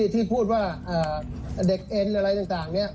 ที่พูดว่าเด็กเอ็นอะไรต่างนี้